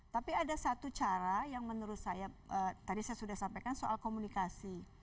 tapi ada satu cara yang menurut saya tadi saya sudah sampaikan soal komunikasi